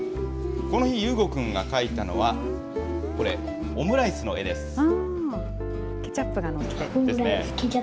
この日、ゆうごくんが描いたのはこれ、オムライスの絵です。